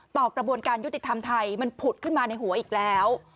กระบวนการยุติธรรมไทยมันผุดขึ้นมาในหัวอีกแล้ว